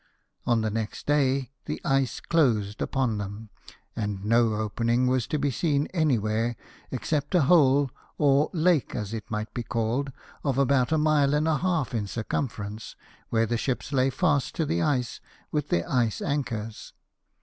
On the next day the ice closed upon them, and no opening was to be seen anywhere, except a hole, or lake as it might be called, of about a mile and a half in circumference, where the ships lay fast to the ice with their ice anchors.